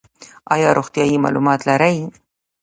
ایا روغتیایی معلومات لرئ؟